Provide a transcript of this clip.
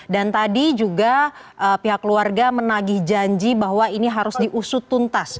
dan tadi juga pihak keluarga menagih janji bahwa ini harus diusut tuntas